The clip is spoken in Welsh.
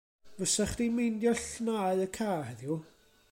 Fysach chdi'n meindio llnau y car heddiw?